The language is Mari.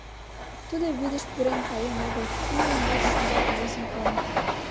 Тудо вӱдыш пурен каен огыл: имне ӱмбач шуҥгалт возын колен.